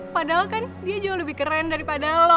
padahal kan dia jauh lebih keren daripada lo